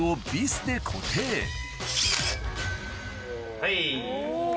はい。